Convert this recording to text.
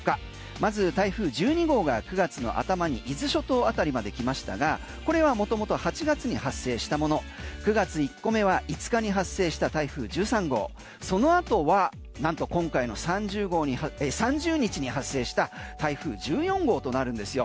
まず台風１２号が９月の頭に伊豆諸島あたりまできましたがこれは元々８月に発生したもの９月１個目は５日に発生した台風１３号、その後はなんと今回の３０日に発生した台風１４号となるんですよ。